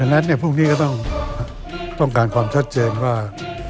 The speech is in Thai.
นั้นพรุ่งนี้ก็ต้องการความชัดเจนว่า